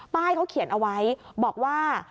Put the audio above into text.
ป้ายเขาเขียนเอาไว้บอกว่า